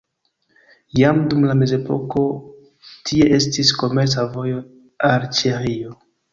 Jam dum la mezepoko tie estis komerca vojo al Ĉeĥio.